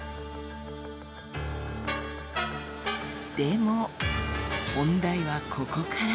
でも本題はここから。